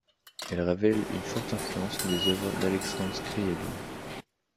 Elle révèle une forte influence des œuvres d'Alexandre Scriabine.